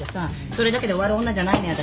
それだけで終わる女じゃないのよ